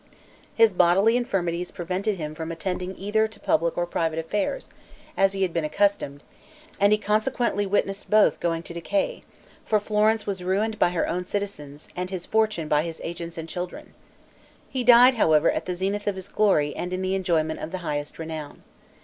His bodily infirmities prevented him from attending either to public or private affairs, as he had been accustomed, and he consequently witnessed both going to decay; for Florence was ruined by her own citizens, and his fortune by his agents and children. He died, however, at the zenith of his glory and in the enjoyment of the highest renown.